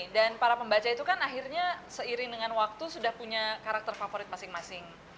dan para pembaca itu kan akhirnya seiring dengan waktu sudah punya karakter favorit masing masing